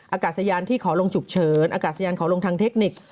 อากาศยานที่ขอลงฉุกเฉินอากาศยานขอลงทางเทคนิค